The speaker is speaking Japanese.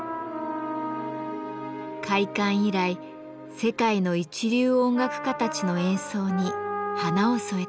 開館以来世界の一流音楽家たちの演奏に華を添えてきました。